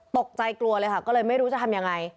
ตกใจกลัวเลยค่ะก็เลยไม่รู้จะทำยังไง